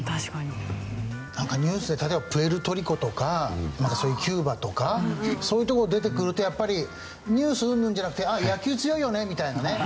なんかニュースで例えばプエルトリコとかキューバとかそういう所が出てくるとやっぱりニュースうんぬんじゃなくてああ野球強いよねみたいなね。